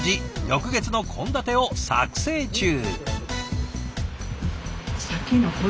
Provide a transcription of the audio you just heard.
翌月の献立を作成中。